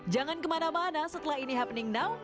jangan kemana mana setelah ini happening now